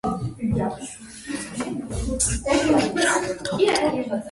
მასში განთავსებულია ისრაელის არქიტექტურის არქივი და ფოტოგრაფიისა და ვიზუალური ხელოვნების ახალი განყოფილება.